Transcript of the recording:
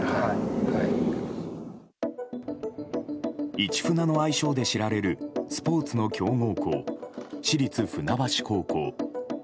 市船の愛称で知られるスポーツの強豪校、市立船橋高校。